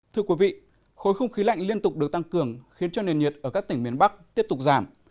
thưa quý vị khối không khí lạnh liên tục được tăng cường khiến cho nền nhiệt ở các tỉnh miền bắc tiếp tục giảm